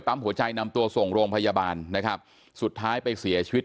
หัวใจนำตัวส่งโรงพยาบาลนะครับสุดท้ายไปเสียชีวิต